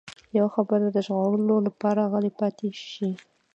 يوه خبره د ژغورلو لپاره غلی پاتې شي.